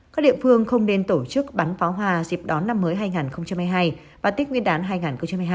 các địa phương không nên tổ chức bắn pháo hoa dịp đón năm mới hai nghìn hai mươi hai và tết nguyên đán hai nghìn hai mươi hai